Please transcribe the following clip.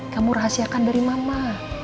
kamu rahasiakan dari mama